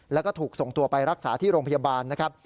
แล้วก็ถูกส่งตัวไปรักษาที่โรงพยาบาลนะครับ